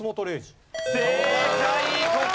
正解！